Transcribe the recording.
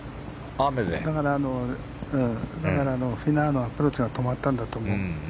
だから、フィナウのアプローチが止まったんだと思う。